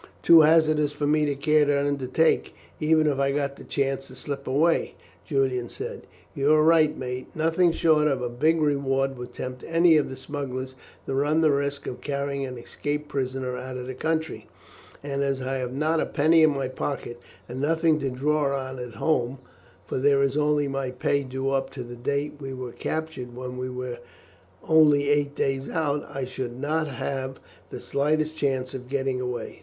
"Too hazardous for me to care to undertake, even if I got the chance to slip away," Julian said. "You are right, mate; nothing short of a big reward would tempt any of the smugglers to run the risk of carrying an escaped prisoner out of the country; and as I have not a penny in my pocket, and nothing to draw on at home for there is only my pay due up to the date we were captured when we were only eight days out I should not have the slightest chance of getting away.